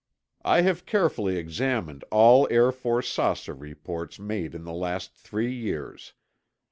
I have carefully examined all Air Force saucer reports made in the last three years.